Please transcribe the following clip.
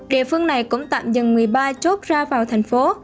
địa phương này cũng tạm dừng một mươi ba chốt ra vào thành phố